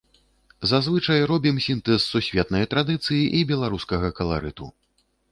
Зазвычай, робім сінтэз сусветнай традыцыі і беларускага каларыту.